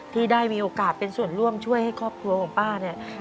ที่ได้มีโอกาสเป็นส่วนร่วมช่วยให้ครอบครัวของป้าเนี่ย